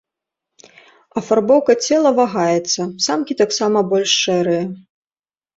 Афарбоўка цела вагаецца, самкі таксама больш шэрыя.